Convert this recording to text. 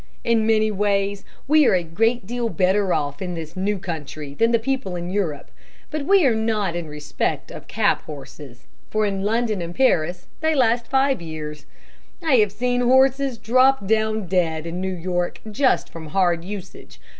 In many ways we are a great deal better off in this new country than the people in Europe; but we are not in respect of cab horses, for in London and Paris they last for five years. I have seen horses drop down dead in New York just from hard usage.